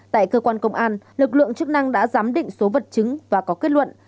tại cơ quan công an lực lượng chức năng đã giám định số vật chứng và có kết luận